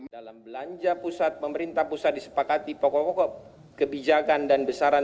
dalam belanja pusat pemerintah pusat disepakati pokok pokok kebijakan dan besaran